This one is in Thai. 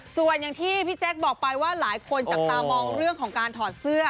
ส่วนอย่างที่พี่แจ๊คบอกไปว่าหลายคนจับตามองเรื่องของการถอดเสื้อ